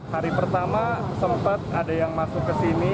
hari pertama sempat ada yang masuk ke sini